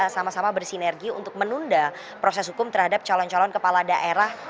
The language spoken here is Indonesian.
sama sama bersinergi untuk menunda proses hukum terhadap calon calon kepala daerah